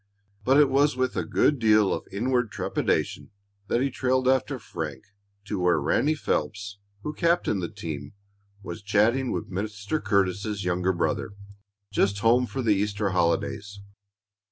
But it was with a good deal of inward trepidation that he trailed after Frank to where Ranny Phelps, who captained the team, was chatting with Mr. Curtis's younger brother, just home for the Easter holidays.